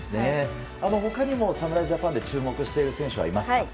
他にも侍ジャパンで注目している選手はいますか？